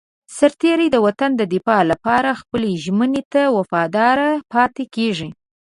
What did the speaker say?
سرتېری د وطن د دفاع لپاره خپلې ژمنې ته وفادار پاتې کېږي.